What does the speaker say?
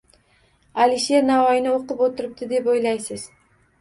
Alisher Navoiyni o‘qib o‘tiribdi, deb o‘ylaysiz?